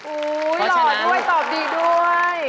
หล่อด้วยตอบดีด้วย